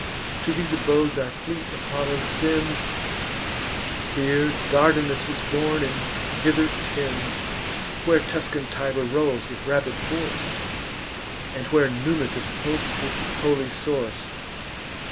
To these abodes our fleet Apollo sends; Here Dardanus was born, and hither tends; Where Tuscan Tiber rolls with rapid force, And where Numicus opes his holy source.